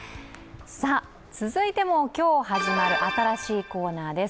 続いても今日始まる新しいコーナーです。